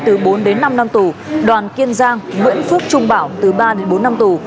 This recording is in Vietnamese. từ bốn đến năm năm tù đoàn kiên giang nguyễn phúc trung bảo từ ba đến bốn năm tù